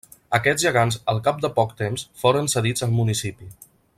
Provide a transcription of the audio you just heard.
Aquests gegants al cap de poc temps, foren cedits al municipi.